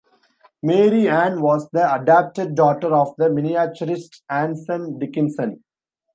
Mary Ann was the adopted daughter of the miniaturist Anson Dickinson.